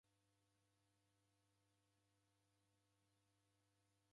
Kukaia na w'ung'ara na wandu kwapoie.